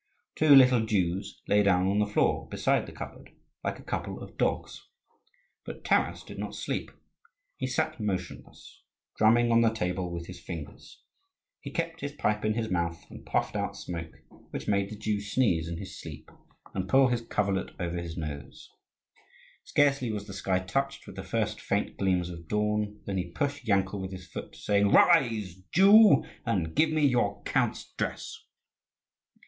Two little Jews lay down on the floor beside the cupboard, like a couple of dogs. But Taras did not sleep; he sat motionless, drumming on the table with his fingers. He kept his pipe in his mouth, and puffed out smoke, which made the Jew sneeze in his sleep and pull his coverlet over his nose. Scarcely was the sky touched with the first faint gleams of dawn than he pushed Yankel with his foot, saying: "Rise, Jew, and give me your count's dress!"